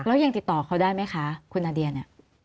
แล้วยังติดต่อเขาได้ไหมคะคุณนาเดียเนี่ย